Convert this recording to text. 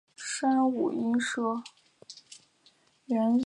它初时大致向西北偏西移动。